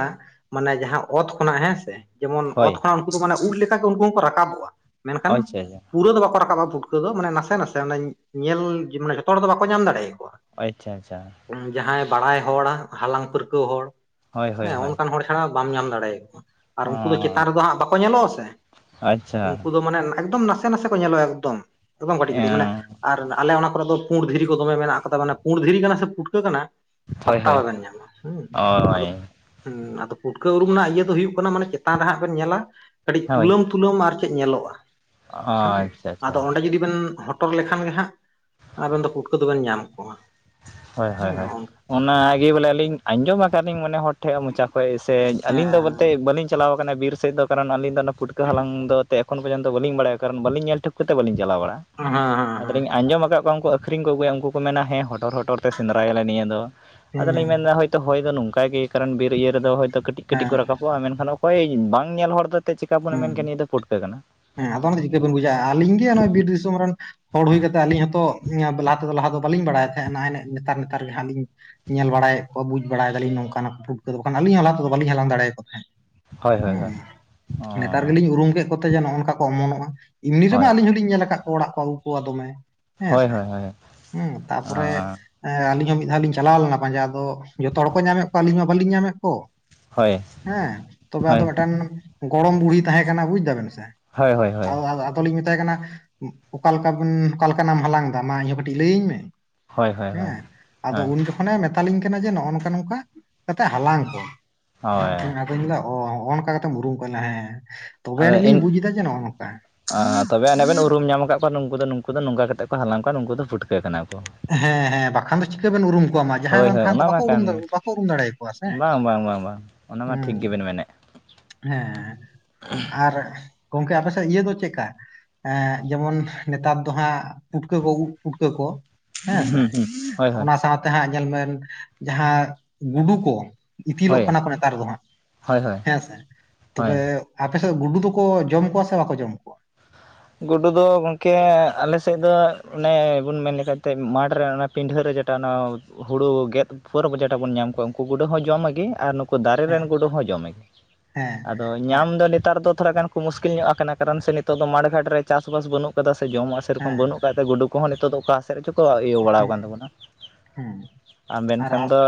ᱢᱟᱱᱮ ᱡᱟᱦᱟᱸ ᱚᱛ ᱠᱷᱚᱱᱟᱜ ᱦᱮᱸ ᱥᱮ ᱡᱮᱢᱚᱱ ᱚᱛ ᱦᱳᱭ ᱠᱷᱚᱱᱟᱜ ᱩᱱᱠᱩ ᱫᱚ ᱢᱟᱱᱮ ᱩᱫ ᱞᱮᱠᱟᱜᱮ ᱩᱱᱠᱩ ᱦᱚᱸᱠᱚ ᱨᱟᱠᱟᱵᱚᱜᱼᱟ ᱢᱮᱱᱠᱷᱟᱱ ᱟᱪᱪᱷᱟ ᱯᱩᱨᱟᱹ ᱫᱚ ᱵᱟᱠᱚ ᱨᱟᱠᱟᱵᱼᱟ ᱯᱩᱴᱠᱟᱹ ᱫᱚ ᱢᱟᱱᱮ ᱱᱟᱥᱮ ᱱᱟᱥᱮ ᱧᱮᱞ ᱢᱟᱱᱮ ᱡᱚᱛᱚ ᱦᱚᱲ ᱫᱚ ᱵᱟᱠᱚ ᱧᱟᱢ ᱫᱟᱲᱮᱭᱟ ᱠᱚᱣᱟ᱾ ᱟᱪᱪᱷᱟ ᱟᱪᱪᱷᱟ ᱡᱟᱦᱟᱸᱭ ᱵᱟᱲᱟᱭ ᱦᱚᱲ ᱦᱟᱞᱟᱝ ᱯᱟᱹᱨᱠᱟᱹᱣ ᱦᱚᱲ ᱦᱳᱭ ᱦᱳᱭ ᱦᱮᱸ ᱦᱳᱭ ᱚᱱᱠᱟᱱ ᱦᱚᱲ ᱪᱷᱟᱲᱟ ᱵᱟᱢ ᱧᱟᱢ ᱫᱟᱲᱮᱭᱟ ᱠᱚᱣᱟ ᱟᱨ ᱚ ᱩᱱᱠᱩ ᱫᱚ ᱪᱮᱛᱟᱱ ᱨᱮᱫᱚ ᱦᱟᱸᱜ ᱵᱟᱠᱚ ᱧᱮᱞᱚᱜ-ᱟ ᱥᱮ ᱟᱪᱪᱷᱟ ᱩᱱᱠᱩ ᱫᱚ ᱢᱟᱱᱮ ᱮᱠᱫᱚᱢ ᱱᱟᱥᱮ ᱱᱟᱥᱮ ᱠᱚ ᱧᱮᱞᱚᱜᱼᱟ ᱮᱠᱫᱚᱢ ᱠᱟᱹᱴᱤᱡ ᱠᱟᱹᱴᱤᱡ ᱢᱟᱱᱮ ᱟᱨ ᱟᱞᱮ ᱚᱱᱟ ᱠᱚᱨᱮ ᱫᱚ ᱯᱩᱸᱰ ᱫᱷᱤᱨᱤ ᱠᱚ ᱫᱚᱢᱮ ᱢᱮᱱᱟᱜ ᱠᱟᱫᱟ ᱢᱟᱱᱮ ᱯᱩᱸᱰ ᱫᱷᱤᱨᱤ ᱠᱟᱱᱟ ᱥᱮ ᱯᱩᱴᱠᱟᱹ ᱠᱟᱱᱟ ᱦᱳᱭ ᱯᱟᱛᱛᱟ ᱦᱳᱭ ᱦᱳᱭ ᱵᱟᱵᱮᱱ ᱧᱟᱢᱟ ᱦᱩᱸ ᱟᱫᱚ ᱩᱸ ᱟᱫᱚ ᱯᱩᱴᱠᱟᱹ ᱩᱨᱩᱢ ᱨᱮᱱᱟᱜ ᱤᱭᱟᱹ ᱫᱚ ᱦᱩᱭᱩᱜ ᱠᱟᱱᱟ ᱢᱟᱱᱮ ᱪᱮᱛᱟᱱ ᱨᱮ ᱦᱟᱸᱜ ᱵᱮᱱ ᱧᱮᱞᱟ ᱠᱟᱹᱴᱤᱡ ᱦᱳᱭ ᱛᱩᱞᱟᱹᱢ ᱛᱩᱞᱟᱹᱢ ᱟᱨ ᱠᱟᱹᱡᱽ ᱧᱮᱞᱚᱜᱼᱟ ᱦᱩᱸ ᱟᱪᱪᱷᱟ ᱟᱪᱪᱷᱟ ᱟᱫᱚ ᱚᱸᱰᱮ ᱡᱩᱫᱤ [unintelligible] ᱦᱚᱴᱚᱨ ᱞᱮᱠᱷᱟᱱ ᱜᱮ ᱦᱟᱸᱜ ᱟᱵᱮᱱ ᱫᱚ ᱯᱩᱴᱠᱟᱹ ᱫᱚᱵᱮᱱ ᱧᱟᱢ ᱠᱚᱣᱟ᱾ ᱦᱳᱭ ᱦᱳᱭ ᱦᱮᱸ ᱦᱳᱭ ᱦᱮᱸ ᱚᱱᱟᱜᱮ ᱵᱚᱞᱮ ᱟᱹᱞᱤᱧ ᱟᱸᱡᱚᱢ ᱟᱠᱟᱫᱤᱧ ᱢᱟᱱᱮ ᱦᱚᱲ ᱴᱷᱮᱡᱽ ᱢᱚᱪᱟ ᱠᱷᱚᱡᱽ ᱥᱮ ᱟᱹᱞᱤᱧ ᱫᱚ ᱵᱚᱞᱛᱮ ᱵᱟᱹᱞᱤᱧ ᱪᱟᱞᱟᱣ ᱟᱠᱟᱱᱟᱭ ᱵᱤᱨ ᱥᱮᱫ ᱫᱚ ᱠᱟᱨᱚᱱ ᱟᱞᱤᱧ ᱫᱚ ᱱᱚ ᱪᱟᱞᱟᱣ ᱠᱟᱱᱟ ᱵᱤᱨ ᱥᱮᱫ ᱫᱚ ᱠᱟᱨᱚᱱ ᱟᱹᱞᱤᱧ ᱫᱚ ᱚᱱᱟ ᱯᱩᱴᱠᱟᱹ ᱦᱟᱞᱟᱝ ᱫᱚ ᱛᱮ ᱮᱠᱷᱚᱱ ᱯᱚᱨᱡᱚᱱᱛᱚ ᱵᱟᱞᱤᱧ ᱵᱟᱲᱟᱭ ᱠᱟᱨᱚᱱ ᱵᱟᱞᱤᱧ ᱧᱮᱞ ᱴᱷᱤᱠ ᱠᱚᱛᱮ ᱵᱟᱞᱤᱧ ᱪᱟᱞᱟᱣ ᱵᱟᱲᱟ [unintelligible] [unintelligible] ᱟᱸᱡᱚᱢ ᱟᱠᱟᱫ ᱠᱚᱣᱟ ᱩᱱᱠᱩ ᱟᱹᱠᱷᱨᱤᱧ ᱠᱚ ᱟᱹᱜᱩᱭᱟ ᱩᱱᱠᱩ ᱠᱚ ᱢᱮᱱᱟ ᱦᱮᱸ ᱦᱚᱴᱚᱨ ᱦᱚᱴᱚᱨ ᱛᱮ ᱥᱮᱸᱫᱽᱨᱟᱭᱟᱞᱮ ᱱᱤᱭᱟᱹ ᱫᱚ᱾ ᱦᱮᱸ ᱟᱫᱚᱞᱤᱧ ᱢᱮᱱᱫᱟ ᱦᱚᱭᱛᱚ ᱦᱚᱭ ᱫᱚ ᱱᱚᱝᱠᱟ ᱜᱮ ᱠᱟᱨᱚᱱ ᱵᱤᱨ ᱤᱭᱟᱹ ᱨᱮᱫᱚ ᱦᱚᱭᱛᱚ ᱠᱟᱹᱴᱤᱡ ᱠᱟᱹᱴᱤᱡ ᱦᱮᱸ ᱠᱚ ᱨᱟᱠᱟᱵ ᱠᱩᱣᱟ ᱢᱮᱱᱠᱷᱟᱱ ᱚᱠᱚᱭ ᱵᱟᱝ ᱧᱮᱞ ᱦᱚᱲ ᱫᱚ ᱛᱮ ᱪᱮᱠᱟ ᱵᱚᱱ ᱢᱮᱱ ᱠᱮ ᱦᱩᱸ, ᱱᱤᱭᱟᱹ ᱫᱚ ᱯᱩᱴᱠᱟᱹ ᱠᱟᱱᱟ᱾ ᱦᱮᱸ ᱟᱫᱚ ᱚᱱᱟᱫᱚ ᱪᱤᱠᱟᱹ ᱵᱮᱱ ᱵᱩᱡᱟ ᱟᱹᱞᱤᱧ ᱜᱮ ᱱᱚᱜᱼᱚᱭ ᱵᱤᱨ ᱫᱤᱥᱚᱢ ᱨᱮᱱ ᱦᱚᱲ ᱦᱩᱭ ᱠᱟᱛᱮᱫ ᱟᱞᱤᱧ ᱦᱚᱸᱛᱚ ᱞᱟᱦᱟ ᱛᱮᱫᱚ ᱞᱟᱦᱟ ᱫᱚ ᱵᱟᱹᱞᱤᱧ ᱵᱟᱲᱟᱭ ᱛᱟᱦᱮᱸ ᱱᱟᱜᱼᱟᱭ ᱱᱮ ᱱᱮᱛᱟᱨ ᱱᱮᱛᱟᱨ ᱜᱮ ᱦᱟᱸᱜ ᱞᱤᱧ ᱧᱮᱞ ᱵᱟᱲᱟᱭᱮᱫ ᱠᱚ ᱵᱩᱡ ᱵᱟᱲᱟᱭ ᱫᱟᱞᱤᱧ ᱱᱚᱝᱠᱟᱱ-ᱟ ᱯᱩᱴᱠᱟᱹ ᱠᱚ ᱵᱟᱝᱠᱷᱟᱱ ᱟᱞᱤᱧ ᱦᱚᱸ ᱞᱟᱦᱟ ᱛᱮ ᱫᱚ ᱵᱟᱞᱤᱧ ᱦᱟᱞᱟᱝ ᱫᱟᱲᱮᱭᱟᱠᱚ ᱛᱟᱦᱮᱸᱫ᱾ ᱦᱳᱭ ᱦᱳᱭ ᱦᱩᱸ ᱦᱳᱭ ᱚ ᱱᱮᱛᱟᱨ ᱜᱮᱞᱤᱧ ᱩᱨᱩᱢ ᱠᱮᱫ ᱠᱚᱛᱮ ᱡᱮ ᱱᱚᱜᱼᱚ ᱱᱚᱝᱠᱟ ᱠᱚ ᱚᱢᱚᱱᱚᱜᱼᱟ ᱮᱢᱱᱤ ᱨᱮᱢᱟ ᱟᱞᱤᱧ ᱦᱳᱭ ᱦᱚᱸ ᱞᱤᱧ ᱧᱮᱞ ᱟᱠᱟᱫ ᱚᱲᱟᱜ ᱠᱚ ᱟᱹᱜᱩ ᱠᱚᱣᱟ ᱫᱚᱢᱮ ᱦᱮᱸᱥᱮ ᱦᱳᱭ ᱦᱳᱭ ᱦᱳᱭ ᱦᱩᱸ ᱛᱟᱨ ᱯᱚᱨᱮ ᱮᱸ ᱟᱹᱞᱤᱧ ᱦᱚᱸ ᱢᱤᱫ ᱫᱷᱟᱣ ᱞᱤᱧ ᱪᱟᱞᱟᱣ ᱞᱮᱱᱟ ᱯᱟᱸᱡᱟ ᱟᱫᱚ ᱡᱚᱛᱚ ᱦᱚᱲ ᱠᱚ ᱧᱟᱢᱮᱫ ᱠᱚᱣᱟ ᱟᱹᱞᱤᱧ ᱢᱟ ᱵᱟᱹᱞᱤᱧ ᱧᱟᱢᱮᱫ ᱠᱚ ᱦᱳᱭ ᱦᱮᱸ ᱛᱚᱵᱮ ᱦᱳᱭ ᱟᱫᱚ ᱢᱤᱫᱴᱟᱝ ᱜᱚᱲᱚᱢ ᱵᱩᱲᱦᱤ ᱛᱟᱦᱮᱸ ᱠᱟᱱᱟ ᱵᱩᱡᱽ ᱫᱟᱵᱮᱱ ᱥᱮ ᱦᱳᱭ ᱦᱳᱭ ᱦᱳᱭ [unintelligible] ᱛᱚᱞᱤᱧ ᱢᱮᱛᱟᱭ ᱠᱟᱱᱟ ᱚᱠᱟ ᱞᱮᱠᱟ ᱵᱮᱱ ᱚᱠᱟ ᱞᱮᱠᱟᱱᱟᱢ ᱦᱟᱞᱟᱝ ᱮᱫᱟ ᱢᱟ ᱤᱧᱦᱚᱸ ᱠᱟᱹᱴᱤᱡ ᱞᱟᱹᱭᱟᱹᱧ ᱢᱮ ᱦᱳᱭ ᱦᱳᱭ ᱦᱳᱭ ᱦᱮᱸ ᱟᱫᱚ ᱦᱳᱭ ᱩᱱᱤ ᱫᱚ ᱢᱟᱱᱮ ᱢᱮᱛᱟᱞᱤᱧ ᱠᱟᱱᱟ ᱡᱮ ᱱᱚᱜᱼᱚ ᱱᱚᱝᱠᱟ ᱱᱚᱝᱠᱟ ᱠᱟᱛᱮ ᱦᱟᱞᱟᱝ ᱠᱚᱢ ᱦᱳᱭ [inaudible] ᱟᱫᱚᱧ ᱞᱟᱹᱭᱫᱟ ᱚ ᱚᱱᱠᱟ ᱠᱟᱛᱮᱢ ᱩᱨᱩᱢ ᱠᱚᱣᱟ [unintelligible] ᱦᱮᱸ ᱛᱚᱵᱮ ᱟᱹᱱᱤᱡ ᱞᱤᱧ ᱵᱩᱡ ᱫᱟ ᱡᱮ ᱱᱚᱜᱼᱚ ᱱᱚᱝᱠᱟ᱾ ᱟᱻ ᱛᱚᱵᱮ ᱚᱱᱮ ᱵᱮᱱ ᱩᱨᱩᱢ ᱧᱟᱢ ᱟᱠᱟᱫ ᱠᱚᱣᱟ ᱱᱩᱝᱠᱩ ᱫᱚ ᱱᱩᱝᱠᱩ ᱫᱚ ᱱᱚᱝᱠᱟ ᱠᱟᱛᱮᱫ ᱠᱚ ᱦᱟᱞᱟᱝ ᱠᱚᱣᱟ ᱱᱩᱝᱠᱩ ᱫᱚ ᱯᱩᱴᱠᱟᱹ ᱠᱟᱱᱟ ᱠᱚ᱾ ᱦᱮᱸ ᱦᱮᱸ ᱵᱟᱠᱷᱟᱱ ᱫᱚ ᱪᱤᱠᱟᱹ ᱵᱮᱱ ᱩᱨᱩᱢ ᱠᱚᱣᱟ ᱢᱟ ᱡᱟᱸᱦᱟᱭ ᱦᱳᱭ ᱵᱟᱱ ᱛᱟᱦᱟᱱ ᱫᱚ ᱵᱟᱠᱚ ᱩᱨᱩᱢ ᱵᱟᱠᱚ ᱩᱨᱩᱢ ᱫᱟᱲᱮᱭᱟ ᱠᱚᱣᱟ ᱥᱮ᱾ ᱵᱟᱝᱼᱵᱟᱝᱼᱵᱟᱝᱼᱵᱟᱝ ᱚᱱᱟ ᱢᱟ ᱦᱩᱸ ᱴᱷᱤᱠ ᱜᱮᱵᱮᱱ ᱢᱮᱱᱮᱫ᱾ ᱦᱮᱸ [unintelligible] ᱟᱨ ᱜᱚᱝᱠᱮ ᱟᱯᱮᱥᱮᱡ ᱤᱭᱟᱹ ᱫᱚ ᱪᱮᱫᱠᱟ? ᱮᱸ ᱡᱮᱢᱚᱱ ᱱᱮᱛᱟᱨ ᱫᱚ ᱦᱟᱸᱜ ᱯᱩᱴᱠᱟᱹ ᱠᱚ [unintelligible] ᱯᱷᱩᱴᱠᱟᱹ ᱠᱚ ᱦᱮᱸᱥᱮ ᱦᱩᱸ ᱦᱩᱸ ᱦᱳᱭ ᱦᱳᱭ ᱚᱱᱟ ᱥᱟᱶᱛᱮ ᱦᱟᱸᱜ ᱧᱮᱞ ᱵᱮᱱ ᱡᱟᱦᱟᱸ ᱜᱩᱰᱩ ᱠᱚ ᱤᱛᱤᱞᱚᱜ ᱦᱳᱭ ᱠᱟᱱᱟ ᱠᱚ ᱱᱮᱛᱟᱨ ᱫᱚ ᱦᱟᱸᱜ ᱦᱳᱭ ᱦᱳᱭ ᱦᱮᱸᱥᱮ ᱦᱳᱭ ᱛᱚᱵᱮ ᱟᱯᱮᱥᱮᱫ ᱜᱩᱰᱩ ᱫᱚᱠᱚ ᱡᱚᱢ ᱠᱚᱣᱟ ᱥᱮ ᱵᱟᱠᱚ ᱡᱚᱢ ᱠᱚᱣᱟ? ᱜᱩᱰᱩ ᱫᱚ ᱜᱚᱝᱠᱮ ᱟᱞᱮ ᱥᱮᱫ ᱫᱚ ᱚᱱᱮ ᱵᱚᱱ ᱢᱮᱱ ᱞᱮᱠᱷᱟᱡ ᱛᱮ ᱢᱟᱴᱷ ᱨᱮ ᱚᱱᱮ ᱯᱤᱰᱷᱟᱹ ᱨᱮ ᱡᱮᱴᱟ ᱚᱱᱟ ᱦᱩᱲᱩ ᱜᱮᱫ ᱯᱚᱨ ᱡᱮᱴᱟ ᱵᱚᱱ ᱧᱟᱢ ᱠᱚᱣᱟ ᱩᱱᱠᱩ ᱜᱩᱰᱟᱹ ᱦᱚᱸ ᱡᱚᱢᱟ ᱜᱮ ᱟᱨ ᱱᱩ ᱠᱩ ᱫᱟᱨᱮ ᱨᱮᱱ ᱦᱮᱸ ᱜᱩᱰᱩ ᱦᱚᱸ ᱡᱚᱢᱮᱜᱮ ᱦᱮᱸ ᱟᱫᱚ ᱟᱡ- ᱧᱟᱢ ᱫᱚ ᱱᱮᱛᱟᱨ ᱫᱚ ᱛᱷᱚᱲᱟ ᱜᱟᱱ ᱠᱚ ᱢᱩᱥᱠᱤᱞ ᱧᱚᱜ ᱟᱠᱟᱱᱟ ᱠᱟᱨᱚᱱ ᱥᱮ ᱱᱤᱛᱚᱜ ᱫᱚ ᱢᱟᱴᱷ ᱜᱷᱟᱴ ᱨᱮ ᱪᱟᱥ ᱵᱟᱥ ᱵᱟᱹᱱᱩᱜ ᱠᱟᱫᱟ ᱥᱮ ᱡᱚᱢᱟᱜ ᱥᱮᱨᱚᱠᱚᱢ ᱦᱮᱸ ᱵᱟᱹᱱᱩᱜ [unintelligible] ᱜᱩᱰᱩ ᱠᱚᱦᱚᱸ ᱱᱤᱛᱚᱜ ᱫᱚ ᱚᱠᱟ ᱥᱮᱫ ᱨᱮᱪᱚ ᱠᱚ ᱤᱭᱟᱹ ᱵᱟᱲᱟᱣ ᱠᱟᱱ ᱦᱮᱸ ᱛᱟᱵᱚᱱᱟ ᱦᱮᱸ ᱟᱨ ᱢᱮᱱᱠᱷᱟᱱ ᱫᱚ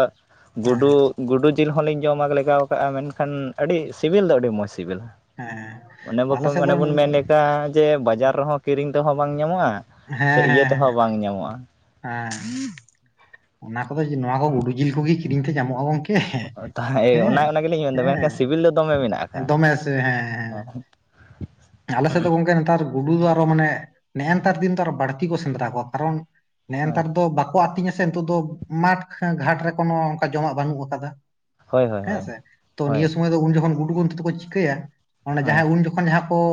ᱦᱮᱸ ᱜᱩᱰᱩ ᱜᱩᱰᱩ ᱡᱤᱞ ᱦᱚᱸᱞᱤᱧ ᱡᱚᱢᱟᱜ ᱞᱮᱜᱟᱣ ᱠᱟᱜᱼᱟ ᱢᱮᱱᱠᱷᱟᱱ ᱟᱹᱰᱤ ᱥᱤᱵᱤᱞ ᱫᱚ ᱟᱹᱰᱤ ᱢᱚᱡᱽ ᱥᱤᱵᱤᱞᱟ ᱦᱮᱸ ᱚᱱᱮ ᱵᱟᱠᱚ ᱟᱞᱮ ᱥᱮᱫ ᱫᱚ ᱚᱱᱮ ᱦᱮᱸ ᱵᱚᱱ ᱢᱮᱱ ᱞᱮᱠᱟ ᱡᱮ ᱵᱟᱡᱟᱨ ᱨᱮᱦᱚᱸ ᱠᱤᱨᱤᱧ ᱛᱮᱦᱚᱸ ᱵᱟᱝ ᱧᱟᱢᱚᱜᱼᱟ ᱥᱮ ᱦᱮᱸ ᱤᱭᱟᱹ ᱦᱮᱸ ᱛᱮᱦᱚᱸ ᱵᱟᱝ ᱧᱟᱢᱚᱜᱼᱟ᱾ ᱦᱮᱸ ᱚᱱᱟ ᱠᱚᱫᱚ ᱱᱚᱣᱟ ᱠᱚ ᱜᱩᱰᱩ ᱡᱤᱞ ᱠᱚᱜᱮ ᱠᱤᱨᱤᱧ ᱛᱮ ᱧᱟᱢᱚᱜᱼᱟ ᱜᱚᱝᱠ ᱛᱟᱦᱮ ᱮᱸ ᱚᱱᱟ ᱚᱱᱟ ᱜᱮᱞᱤᱧ ᱢᱮᱱᱫᱟ ᱢᱮᱱᱠᱷᱟᱱ ᱦᱮᱸ ᱥᱤᱵᱤᱞ ᱫᱚ ᱫᱚᱢᱮ ᱢᱮᱱᱟᱜᱼᱟ ᱫᱚᱢᱮ ᱥᱮ ᱦᱮᱸ ᱦᱮᱸ ᱟᱞᱮ ᱥᱮᱫ ᱫᱚ ᱜᱚᱢᱠᱮ ᱱᱮᱛᱟᱨ ᱜᱩᱰᱩ ᱫᱚ ᱟᱨᱚ ᱢᱟᱱᱮ ᱱᱮᱜᱼᱮ ᱱᱮᱛᱟᱨ ᱫᱤᱱ ᱫᱚ ᱟᱨᱚ ᱵᱟᱹᱲᱛᱤ ᱠᱚ ᱥᱮᱸᱫᱽᱨᱟ ᱠᱚᱣᱟ ᱠᱟᱨᱚᱱ ᱱᱮᱜᱼᱮ ᱱᱮᱛᱟᱨ ᱫᱚ ᱵᱟᱠᱚ ᱟᱹᱛᱤᱧᱟ ᱥᱮ ᱱᱤᱛᱚᱜ ᱫᱚ ᱢᱟᱴᱷ ᱜᱷᱟᱴ ᱨᱮ ᱠᱳᱱᱚ ᱚᱱᱠᱟ ᱡᱚᱢᱟᱜ ᱵᱟᱹᱱᱩᱜ ᱟᱠᱟᱫᱟ ᱦᱳᱭ ᱦᱳᱭ ᱦᱳᱭ ᱦᱮᱸᱥᱮ ᱛᱚ ᱦᱳᱭ ᱱᱤᱭᱟᱹ ᱥᱚᱢᱚᱭ ᱫᱚ ᱩᱱ ᱡᱚᱠᱷᱚᱱ ᱜᱩᱰᱩ ᱜᱚᱢᱛᱤ ᱛᱮᱠᱚ ᱪᱤᱠᱟᱹᱭᱟ ᱚᱱᱮ ᱦᱳᱭ ᱦᱳᱭ ᱡᱟᱦᱟᱸᱭ ᱩᱱ ᱡᱚᱠᱷᱚᱱ ᱡᱟᱦᱟᱸ ᱯᱚᱸ